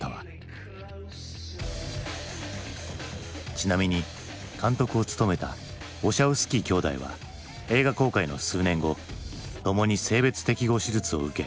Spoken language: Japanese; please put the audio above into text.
ちなみに監督を務めたウォシャウスキー兄弟は映画公開の数年後共に性別適合手術を受け。